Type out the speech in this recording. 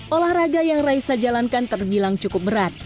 olahraga yang raisa jalankan terbilang cukup berat